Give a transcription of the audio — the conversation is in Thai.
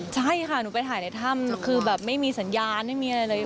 ใช่ค่ะหนูไปถ่ายในถ้ำคือแบบไม่มีสัญญาณไม่มีอะไรเลย